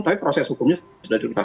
tapi proses hukumnya sudah dilengkapi